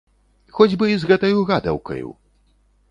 Хоць бы і з гэтаю гадаўкаю!